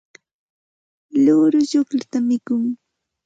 luuru chuqlluta mikun.